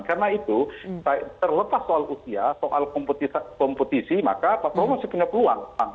karena itu terlepas soal usia soal kompetisi maka pak prabowo masih punya peluang